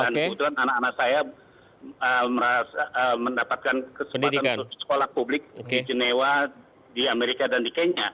dan kebetulan anak anak saya mendapatkan kesempatan untuk sekolah publik di jenewa di amerika dan di kenya